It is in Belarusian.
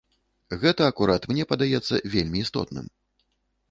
Гэта акурат, мне падаецца, вельмі істотным.